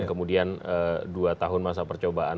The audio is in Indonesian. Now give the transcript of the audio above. kemudian dua tahun masa percobaan